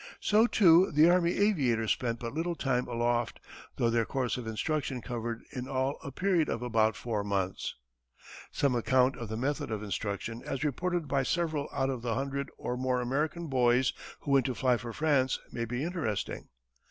So too the army aviators spent but little time aloft, though their course of instruction covered in all a period of about four months. Some account of the method of instruction as reported by several out of the hundred or more American boys who went to fly for France may be interesting.